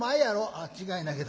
「ああ違いないけど。